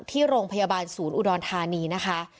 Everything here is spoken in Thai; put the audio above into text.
ที่โรงพยาบาลศูนย์อุดรธานีนะคะ